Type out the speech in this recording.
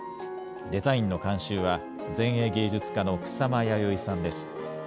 デザインの監修は、前衛芸術家の草間彌生さんです。